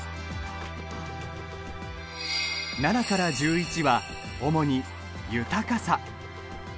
７から１１は、主に「豊かさ」。